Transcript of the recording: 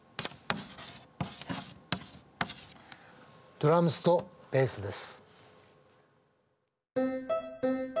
ドラムズとベースです。